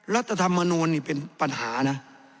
รัฐธรรมนูลนี่เป็นปัญหานะ